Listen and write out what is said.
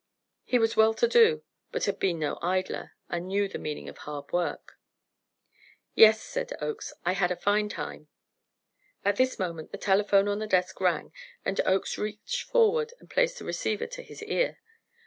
He was well to do, but had been no idler, and knew the meaning of hard work. "Yes," said Oakes, "I had a fine time." At this moment the telephone on the desk rang, and Oakes reached forward and placed the receiver to his ear.